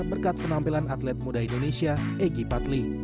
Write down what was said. berkat penampilan atlet muda indonesia egy patli